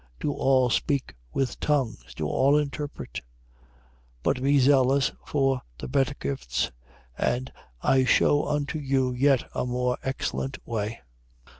Do all speak with tongues? Do all interpret? 12:31. But be zealous for the better gifts. And I shew unto you yet a more excellent way.